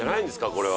これは。